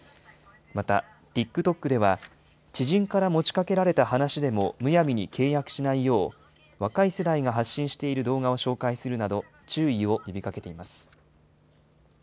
また、ＴｉｋＴｏｋでは、知人から持ちかけられた話でも、むやみに契約しないよう、若い世代が発信している動画を紹介するなど、注意を呼びかけています。